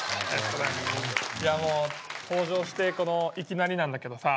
いやもう登場してこのいきなりなんだけどさ。